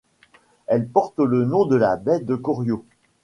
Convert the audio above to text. Elle porte le nom de la baie de Corio.